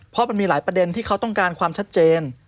เพราะมันมีหลายประเด็นที่เขาต้องการความชัดเจน